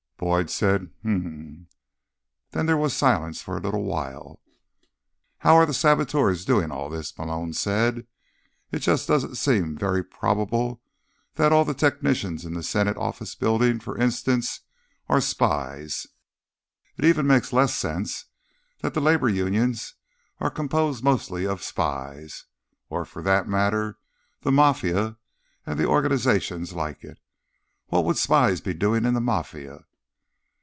Boyd said: "Mmm." Then there was silence for a little while. "How are the saboteurs doing all this?" Malone said. "It just doesn't seem very probable that all the technicians in the Senate Office Building, for instance, are spies. It makes even less sense that the labor unions are composed mostly of spies. Or, for that matter, the Mafia and the organizations like it. What would spies be doing in the Mafia?"